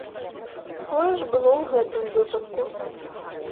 Тое ж было ў гэтым выпадку.